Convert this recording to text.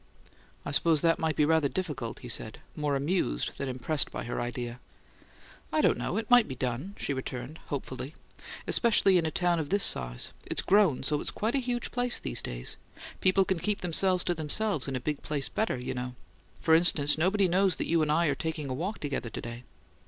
"I suppose that might be rather difficult," he said, more amused than impressed by her idea. "I don't know: it might be done," she returned, hopefully. "Especially in a town of this size; it's grown so it's quite a huge place these days. People can keep themselves to themselves in a big place better, you know. For instance, nobody knows that you and I are taking a walk together today."